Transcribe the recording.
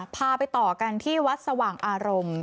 พาไปต่อกันที่วัดสว่างอารมณ์